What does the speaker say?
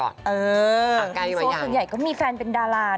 เออฮังใกล้ไหมอย่างละอืมแฮนโซส่วนใหญ่ก็มีแฟนเป็นดารา